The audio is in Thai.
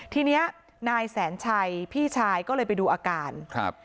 ทีเนี้ยนายแสนชัยพี่ชายก็เลยไปดูอาการครับ